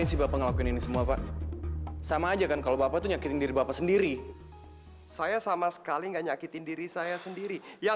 sampai jumpa di video selanjutnya